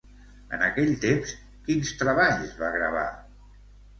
En aquell temps, quins treballs va gravar?